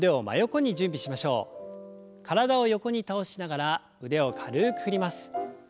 体を横に倒しながら腕を軽く振ります。